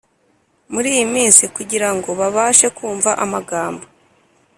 muri iyi minsi; kugirango babashe kumva amagambo